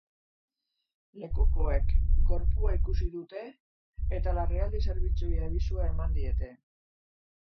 Lekukoek gorpua ikusi dute eta larrialdi zerbitzuei abisua eman diete.